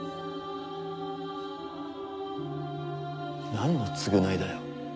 何の償いだよ。